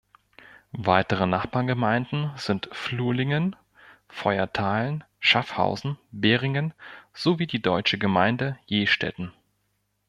Weitere Nachbargemeinden sind Flurlingen, Feuerthalen, Schaffhausen, Beringen sowie die deutsche Gemeinde Jestetten.